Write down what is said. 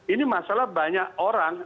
ini masalah banyak orang